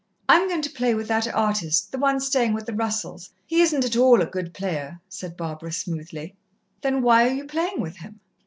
"I'm going to play with that artist, the one staying with the Russells. He isn't at all a good player," said Barbara smoothly. "Then why are you playing with him?"